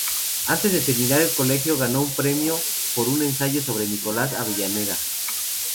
Antes de terminar el colegio ganó un premio por un ensayo sobre Nicolás Avellaneda.